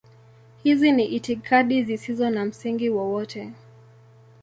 Hizi ni itikadi zisizo na msingi wowote.